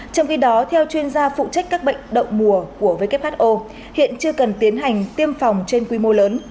trong khi đó theo chuyên gia phụ trách các bệnh đậu mùa của who hiện chưa cần tiến hành tiêm phòng trên quy mô lớn